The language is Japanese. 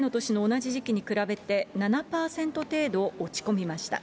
前の年の同じ時期に比べて４割程度落ち込みました。